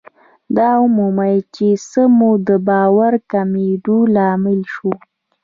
دا ومومئ چې څه مو د باور کمېدو لامل شو.